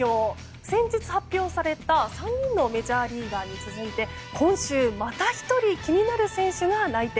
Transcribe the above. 先日発表された３人のメジャーリーガーに続いて今週また１人、気になる選手が内定。